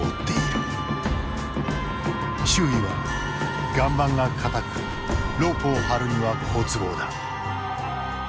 周囲は岩盤が固くロープを張るには好都合だ。